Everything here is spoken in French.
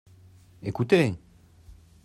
Ecoutez !